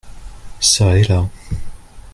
Çà et là